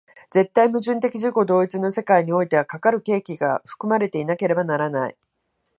絶対矛盾的自己同一の世界においては、かかる契機が含まれていなければならない。